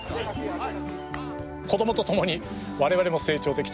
子供と共に我々も成長できた。